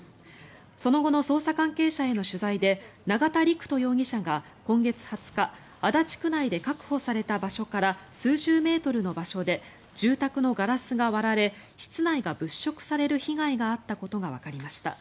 その後の捜査関係者への取材で永田陸人容疑者が今月２０日足立区内で確保された場所から数十メートルの場所で住宅のガラスが割られ室内が物色される被害があったことがわかりました。